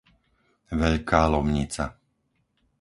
Veľká Lomnica